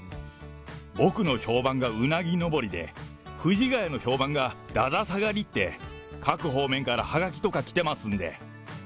僕の評判がうなぎのぼりで、藤ヶ谷の評判がだだ下がりって、各方面からはがきとか来てますんで。